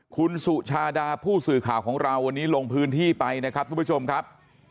คุณสุชาดาผู้สื่อข่าวของเราวันนี้ลงพื้นที่ไปนะครับทุกผู้ชมครับ